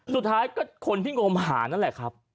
สุดท้ายก็คนที่งมหานั่นแหละครับ